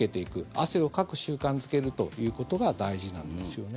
汗をかく習慣をつけるということが大事なんですよね。